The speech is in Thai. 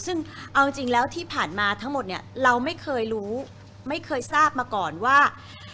ซึ่งเอาจริงแล้วที่ผ่านมาทั้งหมดเนี่ยเราไม่เคยรู้ไม่เคยทราบมาก่อนว่า